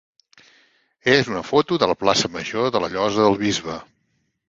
és una foto de la plaça major de la Llosa del Bisbe.